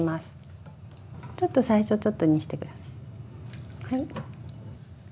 ちょっと最初ちょっとにして下さい。